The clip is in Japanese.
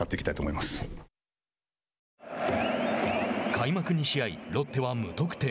開幕２試合ロッテは無得点。